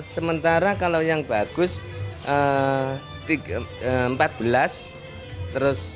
sementara yang bagus rp empat belas